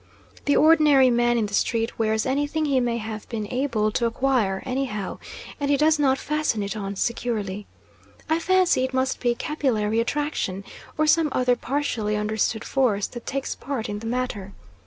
The ordinary man in the street wears anything he may have been able to acquire, anyhow, and he does not fasten it on securely. I fancy it must be capillary attraction, or some other partially understood force, that takes part in the matter.